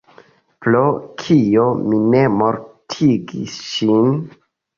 Pro kio mi ne mortigis ŝin?